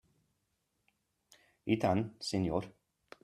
I tant, senyor.